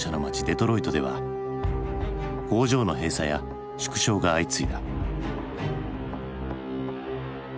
デトロイトでは工場の閉鎖や縮小が相次いだ。